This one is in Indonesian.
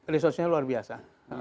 resursenya luar biasa